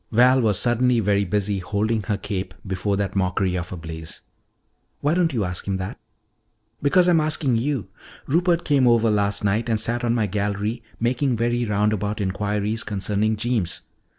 Val was suddenly very busy holding her cape before that mockery of a blaze. "Why don't you ask him that?" "Because I'm asking you. Rupert came over last night and sat on my gallery making very roundabout inquiries concerning Jeems.